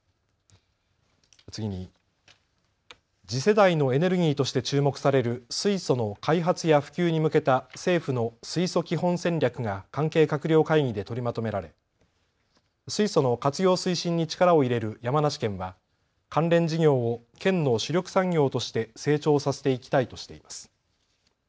次に、次世代のエネルギーとして注目される水素の開発や普及に向けた政府の水素基本戦略が関係閣僚会議で取りまとめられ水素の活用推進に力を入れる山梨県は関連事業を県の主力産業として成長させていきたいとしています。